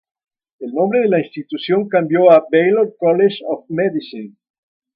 El nombre de la institución cambió a Baylor College of Medicine.